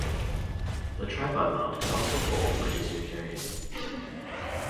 The tripod mount could also fold for easier carrying